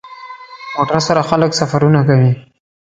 موټر سره خلک سفرونه کوي.